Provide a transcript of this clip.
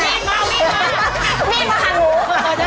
สวัสดีครับสวัสดีครับ